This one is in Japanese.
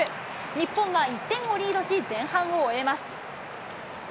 日本が１点をリードし、前半を終えます。